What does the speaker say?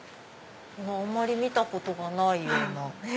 あまり見たことがないような。